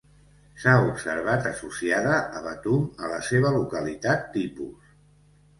S'ha observat associada a betum a la seva localitat tipus.